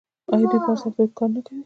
آیا دوی په هر سکتور کې کار نه کوي؟